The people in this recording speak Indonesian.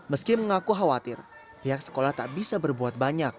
meski mengaku khawatir pihak sekolah tak bisa berbuat banyak